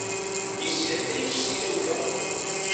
Yeshetrif si tawla.